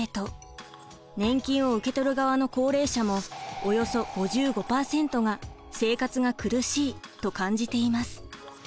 年金を受け取る側の高齢者もおよそ５５％が「生活が苦しい」と感じています。